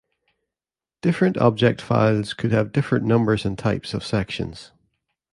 Different object files could have different numbers and types of sections.